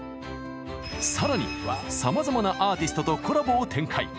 さらにさまざまなアーティストとコラボを展開。